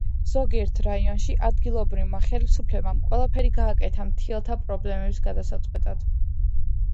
ზოგიერთ რაიონში ადგილობრივმა ხელისუფლებამ ყველაფერი გააკეთა მთიელთა პრობლემების გადასაწყვეტად.